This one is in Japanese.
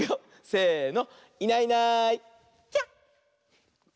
せの。